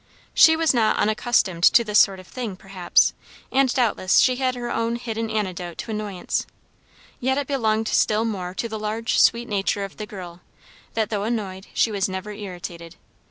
She was not unaccustomed to this sort of thing, perhaps; and doubtless she had her own hidden antidote to annoyance: yet it belonged still more to the large sweet nature of the girl, that though annoyed she was never irritated.